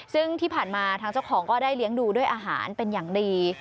ซึ่งที่ผ่านมาทางเจ้าของก็ได้เลี้ยงดูด้วยอาหารเป็นอย่างดี